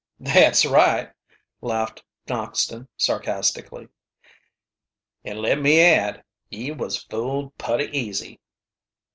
"That's right," laughed Noxton sarcastically. "And let me add, ye was fooled putty easy."